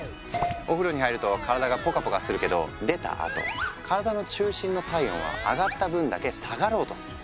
お風呂に入ると体がぽかぽかするけど出たあと体の中心の体温は上がった分だけ下がろうとする。